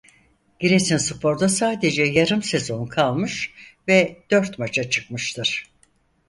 Giresunspor'da sadece yarım sezon kalmış ve dört maça çıkmıştır.